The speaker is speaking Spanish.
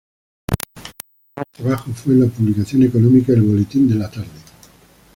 Su primer trabajo fue en la publicación económica "El boletín de la tarde".